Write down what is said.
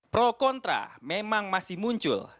pro kontra memang masih muncul